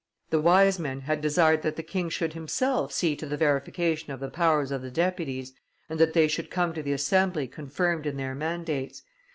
The wise men had desired that the king should himself see to the verification of the powers of the deputies, and that they should come to the Assembly confirmed in their mandates.